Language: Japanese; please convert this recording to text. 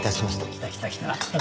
来た来た来た。